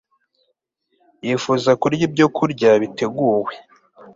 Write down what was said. Yifuza kurya ibyokurya biteguwe